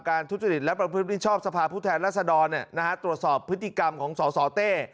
ทุจริตและประพฤติมิชชอบสภาพผู้แทนรัศดรตรวจสอบพฤติกรรมของสสเต้